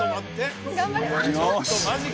頑張ります